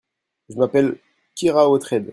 Je m'appelle Keraotred.